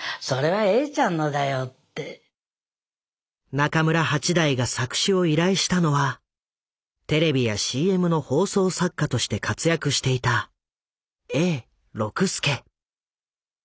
中村八大が作詞を依頼したのはテレビやＣＭの放送作家として活躍していた永六輔。